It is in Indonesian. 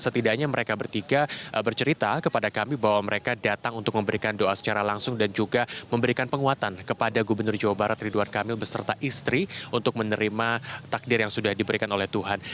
setidaknya mereka bertiga bercerita kepada kami bahwa mereka datang untuk memberikan doa secara langsung dan juga memberikan penguatan kepada gubernur jawa barat ridwan kamil beserta istri untuk menerima takdir yang sudah diberikan oleh tuhan